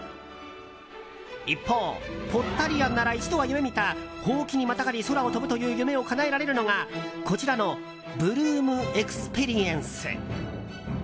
一方、ポッタリアンなら一度は夢見たほうきにまたがり空を飛ぶという夢をかなえられるのがこちらのブルームエクスペリエンス。